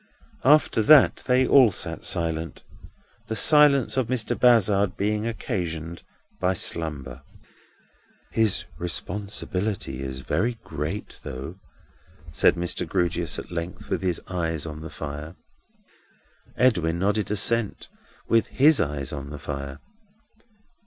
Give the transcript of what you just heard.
After that, they all sat silent; the silence of Mr. Bazzard being occasioned by slumber. "His responsibility is very great, though," said Mr. Grewgious at length, with his eyes on the fire. Edwin nodded assent, with his eyes on the fire.